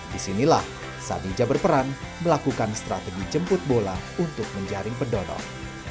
disinilah sadija berperan melakukan strategi jemput bola untuk menjaring pendonor